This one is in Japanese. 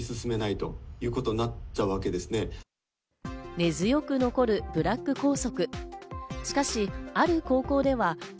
根強く残るブラック校則。